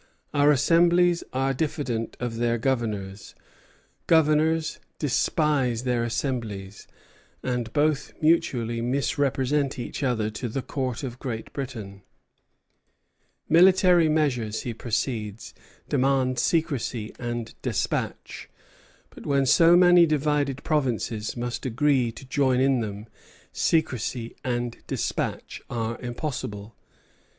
Our assemblies are diffident of their governors, governors despise their assemblies; and both mutually misrepresent each other to the Court of Great Britain." Military measures, he proceeds, demand secrecy and despatch; but when so many divided provinces must agree to join in them, secrecy and despatch are impossible.